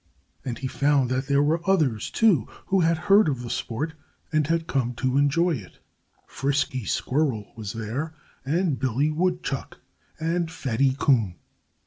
And he found that there were others, too, who had heard of the sport and had come to enjoy it. Frisky Squirrel was there, and Billy Woodchuck, and Fatty Coon.